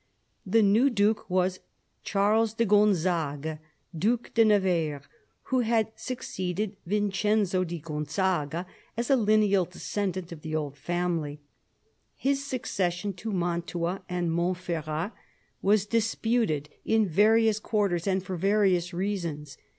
The new Duke was Charles de Gonzague, Due de Nevers, who had succeeded Vincenzo di Gonzaga as a lineal descendant of the old family. His succession to Mantua and Montferrat 13 193 194 CARDINAL DE RICHELIEU was disputed in various quarters and for various reasons.